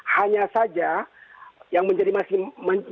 hanya saja yang menjadi masih